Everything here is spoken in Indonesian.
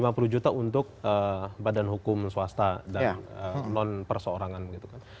kemudian tujuh ratus lima puluh juta untuk badan hukum swasta dan loan perseorangan gitu kan